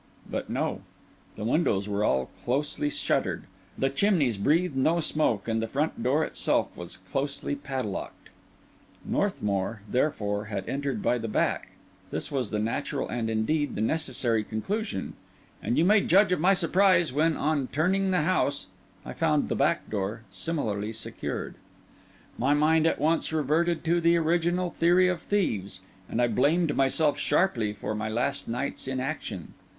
But no: the windows were all closely shuttered, the chimneys breathed no smoke, and the front door itself was closely padlocked. Northmour, therefore, had entered by the back; this was the natural and, indeed, the necessary conclusion; and you may judge of my surprise when, on turning the house, I found the back door similarly secured. My mind at once reverted to the original theory of thieves; and I blamed myself sharply for my last night's inaction.